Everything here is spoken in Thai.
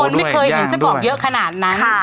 ไม่เคยเห็นฉันบอกเยอะขนาดนั้น